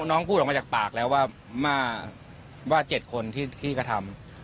น้องพูดออกมาจากปากแล้วว่า๗คนที่กระทำ